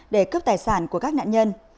để cướp tài sản của các nạn nhân